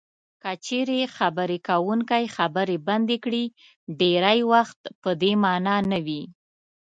که چېرې خبرې کوونکی خبرې بندې کړي ډېری وخت په دې مانا نه وي.